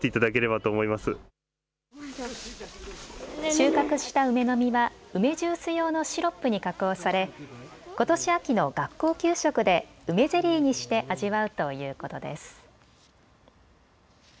収穫した梅の実は梅ジュース用のシロップに加工されことし秋の学校給食で梅ゼリーにして味わうということです。